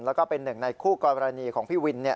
แล้วก็เป็นหนึ่งในคู่กรณีของพี่วิน